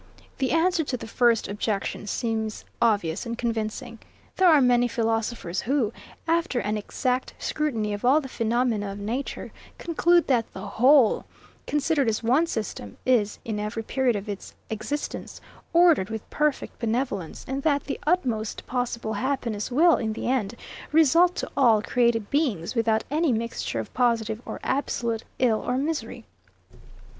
79. The answer to the first objection seems obvious and convincing. There are many philosophers who, after an exact scrutiny of all the phenomena of nature, conclude, that the WHOLE, considered as one system, is, in every period of its existence, ordered with perfect benevolence; and that the utmost possible happiness will, in the end, result to all created beings, without any mixture of positive or absolute ill or misery.